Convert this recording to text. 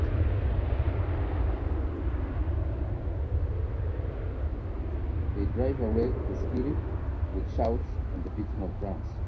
They drive away the spirit with shouts and the beating of drums.